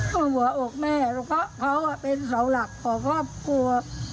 ก็หัวอกแม่เพราะเขาเป็นเสาหลักของครอบครัว